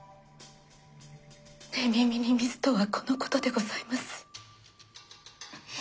寝耳に水とはこのことでございます。